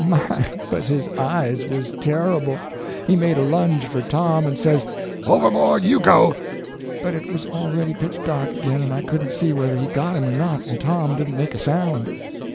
My, but his eyes was terrible! He made a lunge for Tom, and says, "Overboard you go!" but it was already pitch dark again, and I couldn't see whether he got him or not, and Tom didn't make a sound.